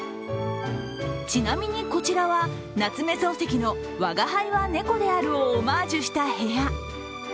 ちなみに、こちらは夏目漱石の「吾輩は猫である」をオマージュした部屋。